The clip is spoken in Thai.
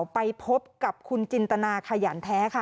ไปพบกับคุณจินตนาขยันแท้ค่ะ